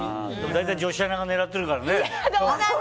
大体女子アナが狙っているからね。